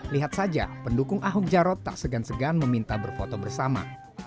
lihat saja pendukung ahok jarot tak segan segan meminta berfoto bersama